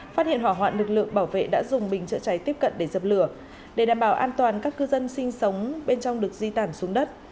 phát hiện hỏa hoạn lực lượng bảo vệ đã dùng bình chữa cháy tiếp cận để dập lửa để đảm bảo an toàn các cư dân sinh sống bên trong được di tản xuống đất